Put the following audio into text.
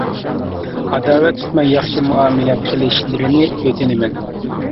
ئاداۋەت تۇتماي ياخشى مۇئامىلە قىلىشلىرىنى ئۆتۈنىمەن.